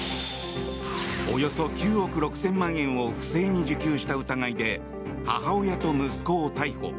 およそ９億６０００万円を不正に受給した疑いで母親と息子を逮捕。